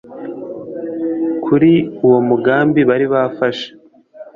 kuri uwo mugambi bari bafashe